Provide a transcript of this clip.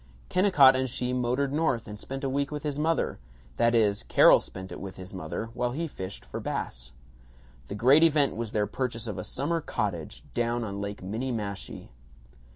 Kennicott and she motored North and spent a week with his mother that is, Carol spent it with his mother, while he fished for bass. The great event was their purchase of a summer cottage, down on Lake Minniemashie.